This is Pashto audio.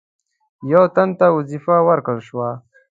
یو تن ته وظیفه ورکړه شوه.